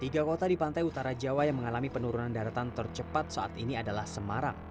tiga kota di pantai utara jawa yang mengalami penurunan daratan tercepat saat ini adalah semarang